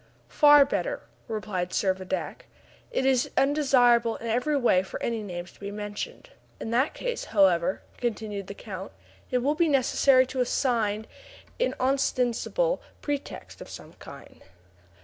"Far better," replied Servadac; "it is undesirable in every way for any names to be mentioned." "In that case, however," continued the count, "it will be necessary to assign an ostensible pretext of some kind.